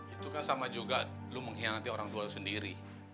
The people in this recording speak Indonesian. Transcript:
itu kan sama juga lu mengkhianati orang tua lo sendiri